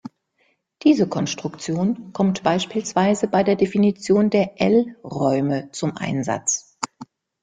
Diese Konstruktion kommt beispielsweise bei der Definition der "L"-Räume zum Einsatz.